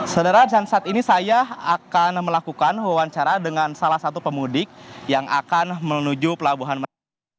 saudara dan saat ini saya akan melakukan wawancara dengan salah satu pemudik yang akan menuju pelabuhan merak